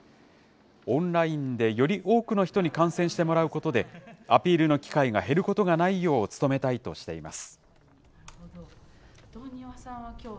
オンラインでより多くの人に観戦してもらうことで、アピールの機会が減ることがないよう努めたいとしています。